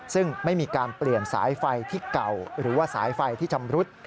ซึ่งไม่มีการเปลี่ยนสายไฟที่เก่าหรือว่าสายไฟที่ชำรุด